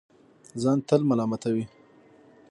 ځان تل ملامتوي